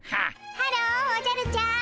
ハローおじゃるちゃん。